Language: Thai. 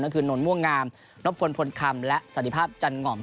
ก็คือนนม่วงงามนบพลพลคำและสันติภาพจันหง่อม